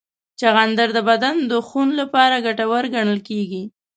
چغندر د بدن د خون لپاره ګټور ګڼل کېږي.